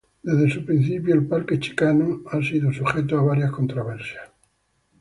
Desde su principio, el "Parque Chicano" ha sido sujeto a varias controversias.